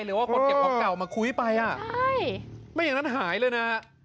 หรือว่าคนเก็บรถเก่ามาคุ้ยไปไม่อย่างนั้นหายเลยนะ